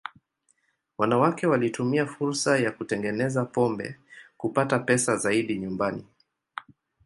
Wanawake walitumia fursa ya kutengeneza pombe kupata pesa zaidi nyumbani.